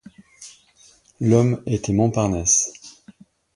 L’homme était Montparnasse.